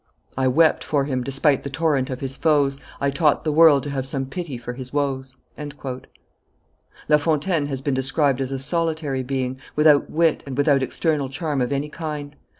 I wept for him, despite the torrent of his foes, I taught the world to have some pity for his woes." La Fontaine has been described as a solitary being, without wit, and without external charm of any kind.